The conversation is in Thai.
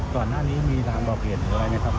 ตอนหน้านี้มีลางบอกเหตุอะไรไหมครับ